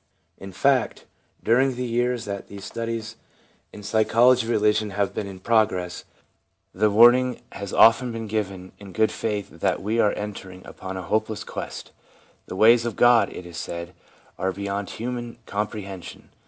In fact, during the years that these studies in the psy 2 THE PSYCHOLOGY OF RELIGION chology of religion have been in progress the warning has often been given in good faith that we are entering upon a hopeless quest. The ways of God, it is said, are beyond human comprehension.